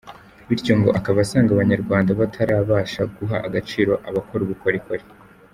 Bityo ngo akaba asanga Abanyarwanda batarabasha guha agaciro abakora ubukorikori.